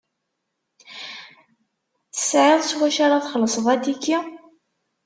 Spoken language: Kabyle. Tesɛiḍ s wacu ara txelseḍ atiki?